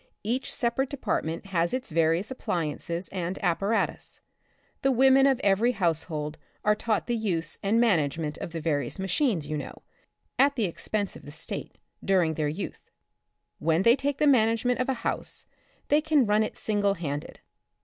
Each separate department has its various appliances and apparatus. The women of every house hold are taught the use and management of the various machines, you know, at the expense of the state, during their youth ; when they take the management of a house they can run it single handed.